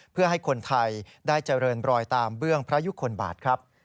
เพื่อให้คนไทยได้เจริญรอยตามเบื้องพระยุคลบาทครับ